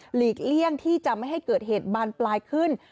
ลีกเลี่ยงที่จะไม่ให้เกิดเหตุบานปลายขึ้น